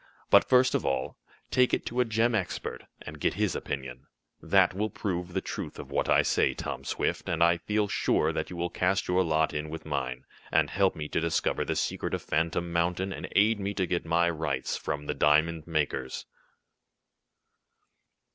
But, first of all, take it to a gem expert, and get his opinion. That will prove the truth of what I say, Tom Swift, and I feel sure that you will cast your lot in with mine, and help me to discover the secret of Phantom Mountain, and aid me to get my rights from the diamond makers!"